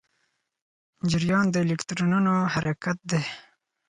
جریان د الکترونونو حرکت دی.